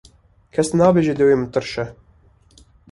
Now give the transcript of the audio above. Kes nabêje dewê min tirş e.